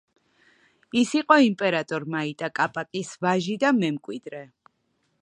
ის იყო იმპერატორ მაიტა კაპაკის ვაჟი და მემკვიდრე.